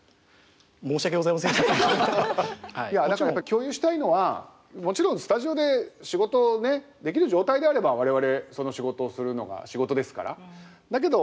共有したいのはもちろんスタジオで仕事できる状態であれば我々その仕事をするのが仕事ですからだけど